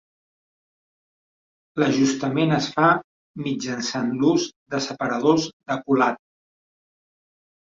L'ajustament es fa mitjançant l'ús de separadors de culata.